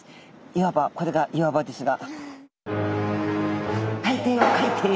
いわばこれが岩場ですが。